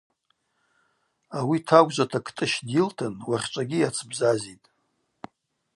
Ауи тагвжвата Кӏтӏыщ Дйылтын, уахьчӏвагьи йацбзазитӏ.